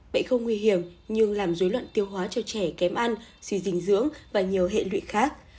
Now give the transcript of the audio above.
bệnh không nguy hiểm nhưng làm dối loạn tiêu hóa cho trẻ kém ăn suy dinh dưỡng và nhiều hệ lụy khác